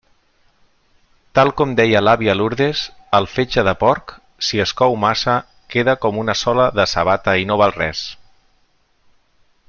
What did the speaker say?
Tal com deia l'àvia Lourdes, el fetge de porc, si es cou massa, queda com una sola de sabata i no val res.